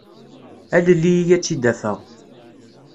Alel-iyi ad tt-id-afeɣ.